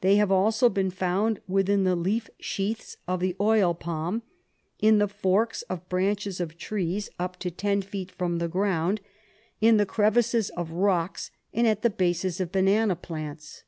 They have also been found within the leaf sheaths of the oil palm, in the forks of branches of trees up to ten feet SLEEPING SICKNESS 37 from the ground, in the crevices of rocks, and at the bases of banana plants.